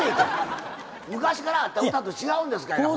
昔からあった歌と違うんですかいな？